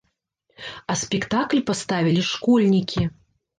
А спектакль паставілі школьнікі.